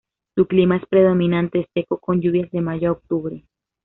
Su clima es predominantemente seco con lluvias de mayo a octubre.